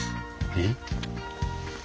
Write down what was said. えっ？